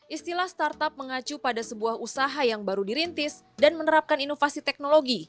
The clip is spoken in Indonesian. istilah startup mengacu pada sebuah usaha yang baru dirintis dan menerapkan inovasi teknologi